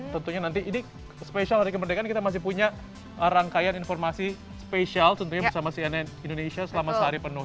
tentunya nanti ini spesial hari kemerdekaan kita masih punya rangkaian informasi spesial tentunya bersama cnn indonesia selama sehari penuh